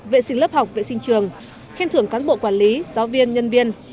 vệ sinh lớp học vệ sinh trường khen thưởng cán bộ quản lý giáo viên nhân viên